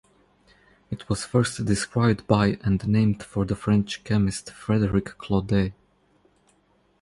It was first described by and named for the French chemist Frederick Claudet.